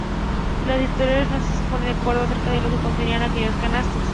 Los historiadores no se ponen de acuerdo acerca de lo que contenían aquellos canastos.